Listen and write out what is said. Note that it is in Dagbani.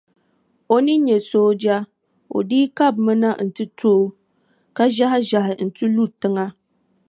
O ni nya sooŋa, o dii kabimi na nti to o ka ʒɛhiʒɛhi nti lu tiŋa.